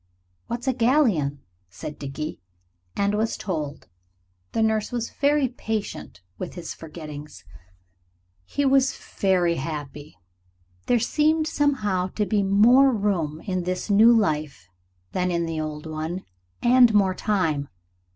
"What's a galleon?" said Dickie. And was told. The nurse was very patient with his forgettings. He was very happy. There seemed somehow to be more room in this new life than in the old one, and more time.